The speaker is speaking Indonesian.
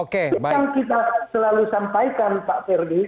itu yang kita selalu sampaikan pak ferdi